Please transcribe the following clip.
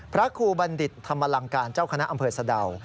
พระครูบัณฑิตธรรมลังการเจ้าคณะอำเภอสะดาว